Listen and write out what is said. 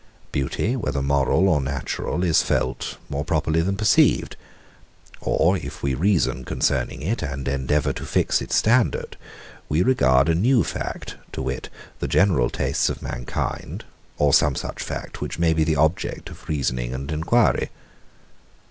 Beauty, whether moral or natural, is felt, more properly than perceived. Or if we reason concerning it, and endeavour to fix its standard, we regard a new fact, to wit, the general tastes of mankind, or some such fact, which may be the object of reasoning and enquiry.